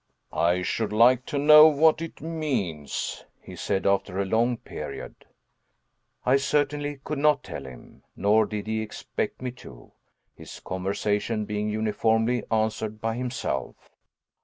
"I should like to know what it means," he said, after a long period. I certainly could not tell him, nor did he expect me to his conversation being uniformly answered by himself.